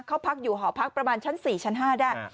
เขาพักอยู่หอพักประมาณชั้น๔ชั้น๕ได้